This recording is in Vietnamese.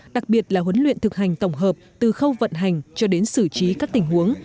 đặc biệt là huấn luyện thực hành tổng hợp từ khâu vận hành cho đến xử trí các tình huống